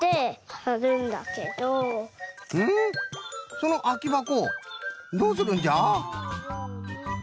そのあきばこどうするんじゃ？